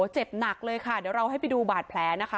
เจ็บหนักเลยค่ะเดี๋ยวเราให้ไปดูบาดแผลนะคะ